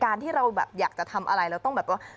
ที่เราแบบอยากจะทำอะไรเราต้องแบบว่า